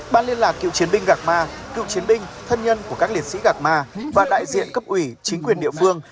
ban liên lạc cựu chiến binh gạc ma cựu chiến binh thân nhân của các liệt sĩ gạc ma và đại diện cấp ủy chính quyền địa phương